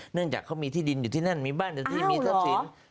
เนื่องจากเขามีที่ดินอยู่ที่นั่นมีบ้านอยู่ที่มีทรัพย์สิน